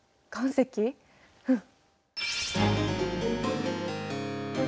うん！